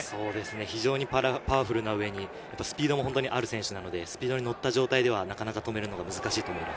非常にパワフルなうえに、スピードもある選手なのでスピードに乗った状態では止めるのが難しいと思います。